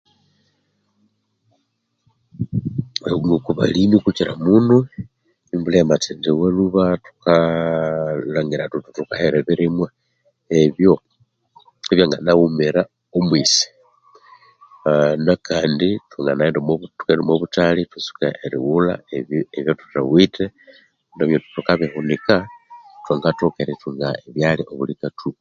Ngoko balimi kukyiramuno embulha yamathendiwa lhuba thukalhangira thuthi thukahera ebirimwa ebyo ebyanganaghumira omwesi aa nakandi thwanganaghenda omwa buthali ithwatsuka erighulha ebyathuthawithe ithwalhangira thuthi thukabihunika thwangathoka erithunga ebyalya obuli kathuku.